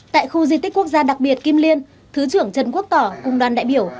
tại khu di tích quốc gia đặc biệt kim liên thứ trưởng trần quốc tỏ cùng đoàn đại biểu